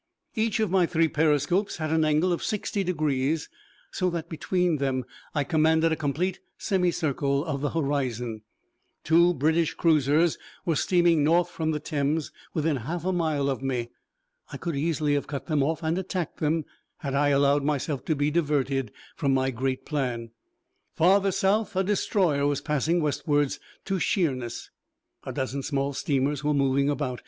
Each of my three periscopes had an angle of sixty degrees so that between them I commanded a complete semi circle of the horizon. Two British cruisers were steaming north from the Thames within half a mile of me. I could easily have cut them off and attacked them had I allowed myself to be diverted from my great plan. Farther south a destroyer was passing westwards to Sheerness. A dozen small steamers were moving about.